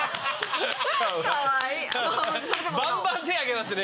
バンバン手挙げますね。